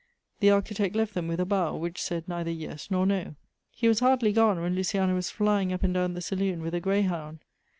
The Architect left them with a bow, which said neither yes nor no. He was hardly gone, when Luciana was flying up and down the saloon with a greyhound.